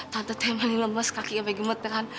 tante teh maling lemes kakinya sampai gemetaran